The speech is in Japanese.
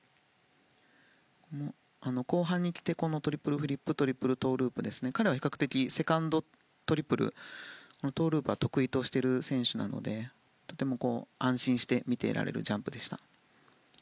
後半にきてのトリプルフリップトリプルトウループですが彼は比較的、セカンドのトリプルトウループは得意としている選手なので安心して見ていられるジャンプでした。